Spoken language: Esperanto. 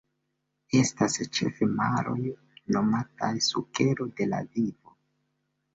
Estas ĉefe maroj nomataj sukero de la vivo.